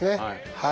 はい。